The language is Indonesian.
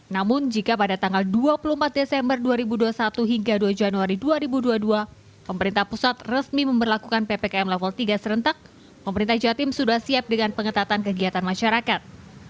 namun jika pada tanggal dua puluh empat desember dua ribu dua puluh satu hingga dua januari dua ribu dua puluh dua pemerintah pusat resmi memperlakukan ppkm level tiga serentak pemerintah jawa timur sudah siap dengan pengetatan kegiatan masyarakat